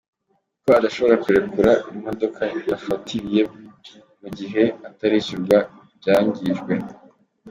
com ko adashobora kurekura imodoka yafatiriye mu gihe atarishyurwa ibyangijwe.